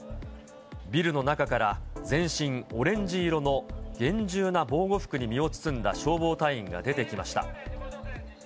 ビルの中から全身オレンジ色の厳重な防護服に身を包んだ消防隊員が出てきました。